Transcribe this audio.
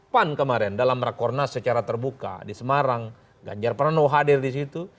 pan kemarin dalam rakornas secara terbuka di semarang ganjar pranowo hadir di situ